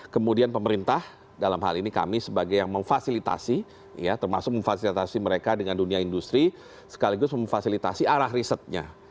kemudian pemerintah dalam hal ini kami sebagai yang memfasilitasi termasuk memfasilitasi mereka dengan dunia industri sekaligus memfasilitasi arah risetnya